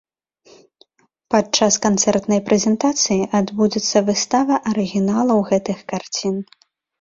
Падчас канцэртнай прэзентацыі адбудзецца выстава арыгіналаў гэтых карцін.